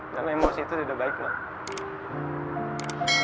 karena emosi itu tidak baik nak